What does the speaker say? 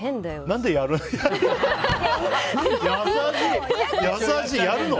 何でやるの。